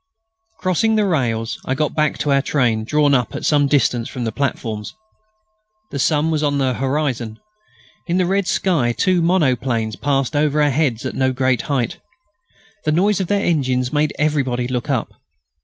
Crossing the rails, I got back to our train, drawn up at some distance from the platforms. The sun was on the horizon. In the red sky two monoplanes passed over our heads at no great height. The noise of their engines made everybody look up.